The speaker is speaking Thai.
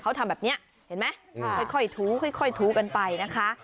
เขาทำแบบนี้เห็นไหมค่อยถูค่อยถูกันไปนะคะ